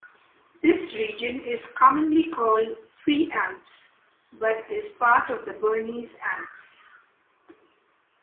This region is commonly called "pre-Alps" but is part of the Bernese Alps.